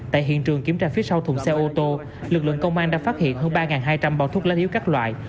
tại hiện trường kiểm tra phía sau thùng xe ô tô lực lượng công an đã phát hiện hơn ba hai trăm linh bao thuốc lá yếu các loại